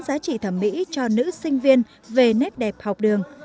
giá trị thẩm mỹ cho nữ sinh viên về nét đẹp học đường